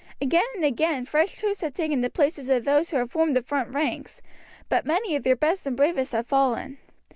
Again and again fresh troops had taken the places of those who had formed the front ranks, but many of their best and bravest had fallen.